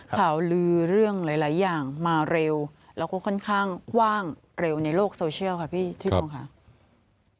ข่าวลือเรื่องหลายอย่างมาเร็วแล้วก็ค่อนข้างว่างเร็วในโลกโซเชียลค่ะพี่ชื่อตรงค่ะ